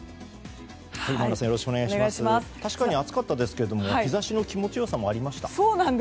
確かに暑かったですけども日差しの気持ち良さもありました。